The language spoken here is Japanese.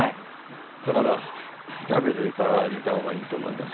だから炒めてから煮た方がいいと思います。